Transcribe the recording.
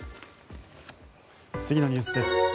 次のニュースです。